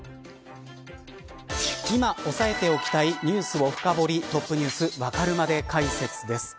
今押さえておきたいニュースを深掘り、Ｔｏｐｎｅｗｓわかるまで解説です。